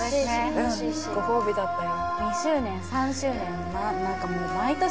うんご褒美だったよ